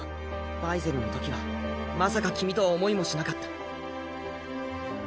バイゼルのときはまさか君とは思いもしなかった。